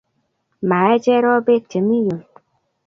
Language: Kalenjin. Mae Cherop pek che mi yun.